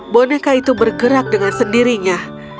boneka itu bergerak dengan sendirinya